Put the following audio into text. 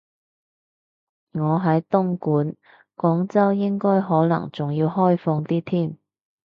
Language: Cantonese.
我喺東莞，廣州應該可能仲要開放啲添